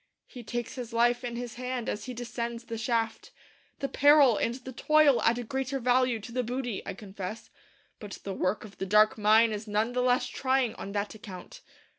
He takes his life in his hand as he descends the shaft. The peril and the toil add a greater value to the booty, I confess; but the work of the dark mine is none the less trying on that account.